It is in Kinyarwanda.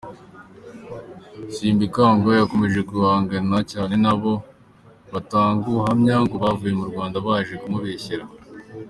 Simbikangwa yakomeje guhangana cyane n’abo batangabuhamya ngo “bavuye mu Rwanda baje kumubeshyera.